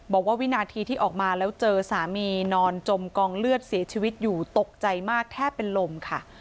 วินาทีที่ออกมาแล้วเจอสามีนอนจมกองเลือดเสียชีวิตอยู่ตกใจมากแทบเป็นลมค่ะ